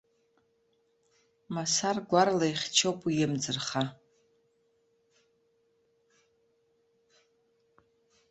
Масар гәарала ихьчоуп уи амӡырха.